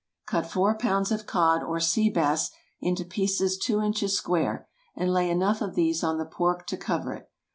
Cut four pounds of cod or sea bass into pieces two inches square, and lay enough of these on the pork to cover it.